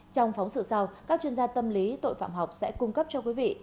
trong phóng sự sau các chuyên gia tâm lý tội phạm học sẽ cung cấp cho quý vị